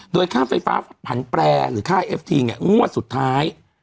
โดยค่าไฟฟ้าผันแปรหรือค่าเอฟทีเนี่ยงวดสุดท้าย